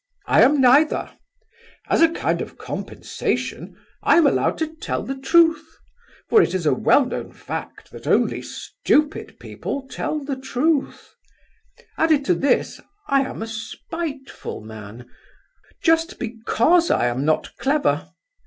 I am neither. As a kind of compensation I am allowed to tell the truth, for it is a well known fact that only stupid people tell 'the truth.' Added to this, I am a spiteful man, just because I am not clever.